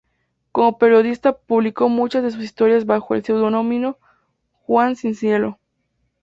Como periodista publicó muchas de sus historias bajo el seudónimo ""Juan sin Cielo"".